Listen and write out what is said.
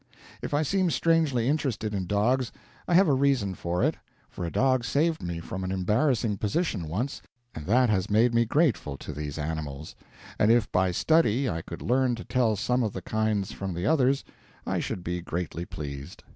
If I seem strangely interested in dogs, I have a reason for it; for a dog saved me from an embarrassing position once, and that has made me grateful to these animals; and if by study I could learn to tell some of the kinds from the others, I should be greatly pleased.